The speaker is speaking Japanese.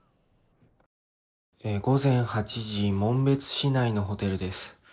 午前８時紋別市内のホテルです。